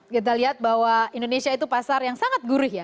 kita lihat bahwa indonesia itu pasar yang sangat gurih ya